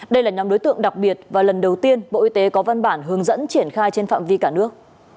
đây là nhóm đối tượng đặc biệt và lần đầu tiên bộ y tế có văn bản hướng dẫn triển khai trên phạm vi cả nước